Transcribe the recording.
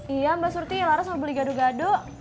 iya mbak surti laras mau beli gadu gadu